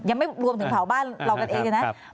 ยังไม่รวมถึงเผาบ้านเรากันเองเลยนะ